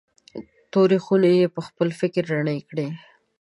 تورې خونې یې پخپل فکر رڼې کړې.